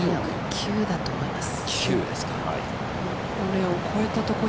９だと思います。